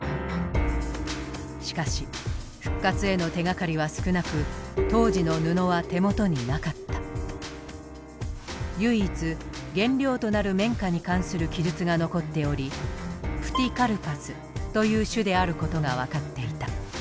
しかし復活への手がかりは少なく唯一原料となる綿花に関する記述が残っておりプティカルパスという種であることが分かっていた。